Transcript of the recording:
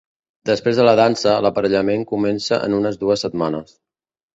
Després de la dansa, l'aparellament comença en unes dues setmanes.